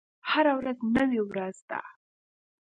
هره ورځ نوې ورځ ده